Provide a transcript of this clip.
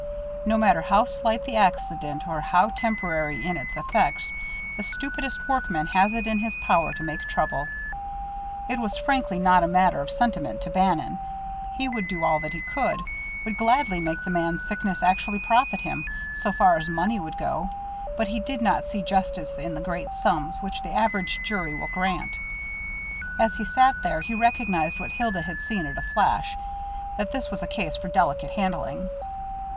No matter how slight the accident, or how temporary in its effects, the stupidest workman has it in his power to make trouble. It was frankly not a matter of sentiment to Bannon. He would do all that he could, would gladly make the man's sickness actually profit him, so far as money would go; but he did not see justice in the great sums which the average jury will grant. As he sat there, he recognized what Hilda had seen at a flash, that this was a case for delicate handling.